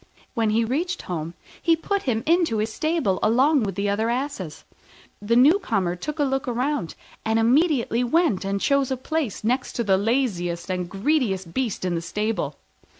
When he reached home, he put him into his stable along with the other asses. The newcomer took a look round, and immediately went and chose a place next to the laziest and greediest beast in the stable.